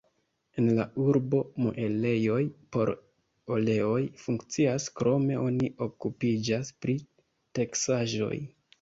En la urbo muelejoj por oleoj funkcias, krome oni okupiĝas pri teksaĵoj.